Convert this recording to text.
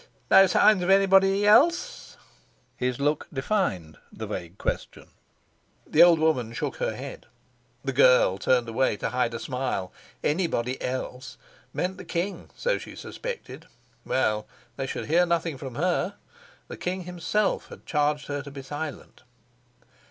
No signs of anybody else?" His look defined the vague question. The old woman shook her head. The girl turned away to hide a smile. "Anybody else" meant the king, so she suspected. Well, they should hear nothing from her. The king himself had charged her to be silent.